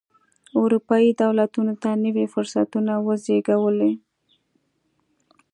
اروپايي دولتونو ته نوي فرصتونه وزېږولې.